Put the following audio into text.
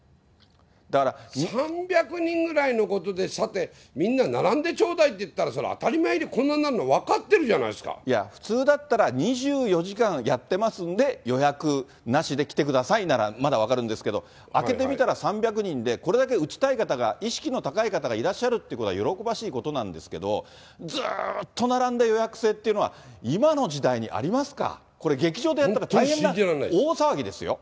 ３００人ぐらいのことでさて、みんな並んでちょうだいっていったら、それは当たり前にこんなないや、普通だったら２４時間やってますんで、予約なしで来てくださいならまだ分かるんですけど、開けてみたら３００人で、これだけ打ちたい方が、意識の高い方がいらっしゃるってことは喜ばしいことなんですけど、ずーっと並んで予約制っていうのは、今の時代にありますか、これ、劇場でやったら大変な大騒ぎですよ。